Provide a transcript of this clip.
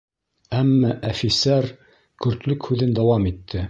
Әммә әфисәр көртлөк һүҙен дауам итте: